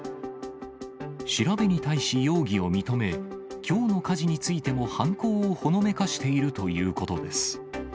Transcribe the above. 調べに対し、容疑を認め、きょうの火事についても犯行をほのめかしているということです。